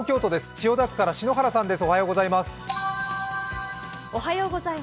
千代田区から篠原さんです。